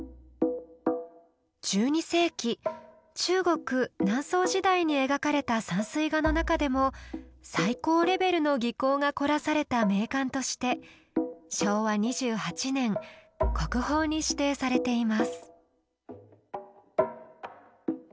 １２世紀中国南宋時代に描かれた山水画の中でも最高レベルの技巧が凝らされた名巻として昭和２８年国宝に指定されています。